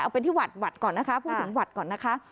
เอาเป็นที่หวัดก่อนนะคะพูดถึงหวัดก่อนนะคะ